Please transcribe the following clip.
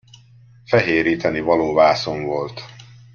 Fehéríteni való vászon volt.